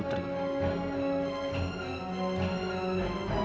kamilah regina putri